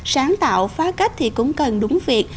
sáng tạo phá cách thì cũng cần đúng việc